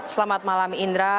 selamat malam indra